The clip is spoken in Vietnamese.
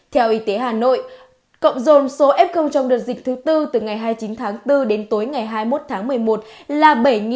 theo y tế hà nội cộng dồn số f trong đợt dịch thứ bốn từ ngày hai mươi chín tháng bốn đến tối ngày hai mươi một tháng một mươi một là bảy bảy trăm một mươi bốn